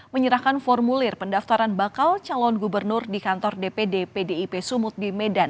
menyerahkan formulir pendaftaran bakal calon gubernur di kantor dpd pdip sumut di medan